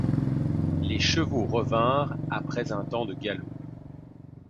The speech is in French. Les chevaux revinrent, après un temps de galop.